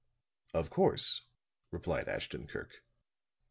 "Of course," replied Ashton Kirk.